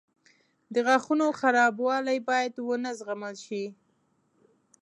• د غاښونو خرابوالی باید ونه زغمل شي.